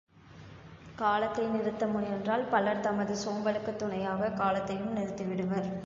காலத்தை நிறுத்த முயன்றால் பலர் தமது சோம்பலுக்குத் துணையாகக் காலத்தையும் நிறுத்திவிடுவர்.